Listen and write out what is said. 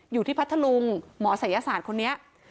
พัทธลุงหมอศัยศาสตร์คนนี้